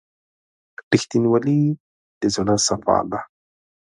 • رښتینولي د زړه صفا ده.